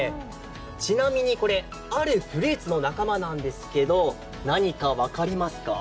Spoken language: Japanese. ちなみに、これ、あるフルーツの仲間なんですけど、何か分かりますか？